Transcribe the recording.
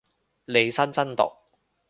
利申真毒